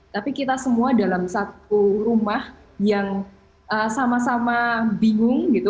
tapi kita semua dalam satu rumah yang sama sama bingung gitu